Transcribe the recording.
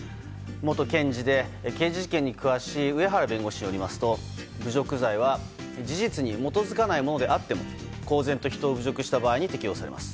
元検事で刑事事件に詳しい上原弁護士によりますと侮辱罪は事実に基づかないものであっても公然と人を侮辱した場合に適用されます。